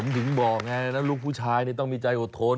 ถึงบอกไงนะลูกผู้ชายต้องมีใจอดทน